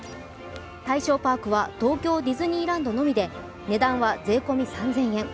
対象パークは東京ディズニーランドのみで値段は税込み３０００円。